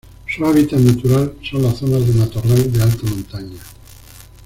Su hábitat natural son las zonas de matorral de alta montaña.